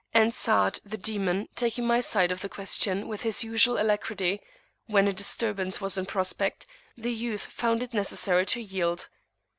And Sa'ad the Demon, taking my side of the question with his usual alacrity when a disturbance was in prospect, the youth found it necessary to yield.